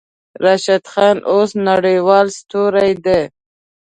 راشد خان اوس نړۍوال ستوری دی.